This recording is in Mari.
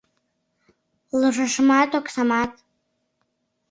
Ложашымат, оксамат